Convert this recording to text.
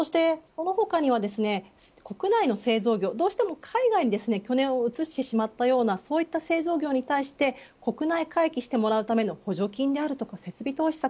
その他には国内の製造業、どうしても海外に拠点を移してしまったような製造業に対して国内回帰してもらうための補助金であるとか設備投資策